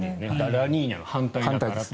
ラニーニャの反対だからと。